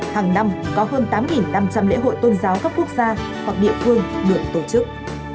hàng năm có hơn tám năm trăm linh lễ hội tôn giáo các quốc gia hoặc địa phương được tổ chức